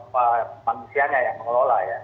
manusianya yang mengelola ya